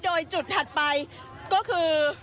โดยจุดถัดไปก็คือ